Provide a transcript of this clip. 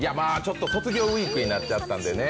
卒業ウイークになっちゃったのでね